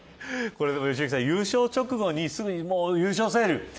良幸さん、優勝直後にすぐ優勝セール。